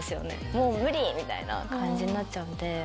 もう無理！みたいな感じになっちゃうんで。